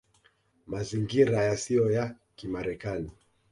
Mazingira Yasiyo ya Kimarekani